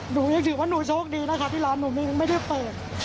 หนูยังถือว่าหนูโชคดีนะคะที่ร้านหนูไม่ได้เปิด